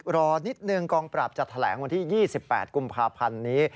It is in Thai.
รอนิดนึงกองปราบจะแถลงวันที่๒๘กุมภาพันธ์นี้